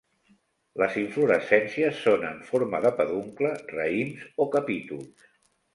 Les inflorescències són en forma de peduncle, raïms o capítols.